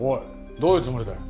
どういうつもりだよ？